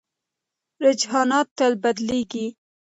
رجحانات تل بدلېږي.